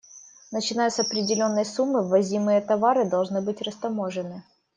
Начиная с определённой суммы, ввозимые товары должны быть растаможены.